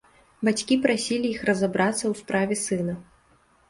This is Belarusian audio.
Бацькі прасілі іх разабрацца ў справе сына.